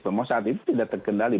memang saat itu tidak terkendali